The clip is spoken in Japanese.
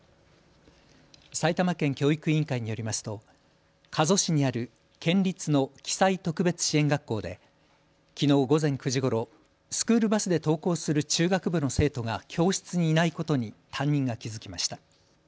埼玉県教育委員会によりますと加須市にある県立の騎西特別支援学校できのう午前９時ごろスクールバスで登校する中学部の生徒が教室にいないことに担任が気付きました。